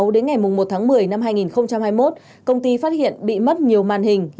đến ngày một tháng một mươi năm hai nghìn hai mươi một công ty phát hiện bị mất nhiều màn hình